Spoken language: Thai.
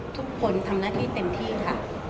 ทุกคนทำหน้าที่เต็มที่ค่ะ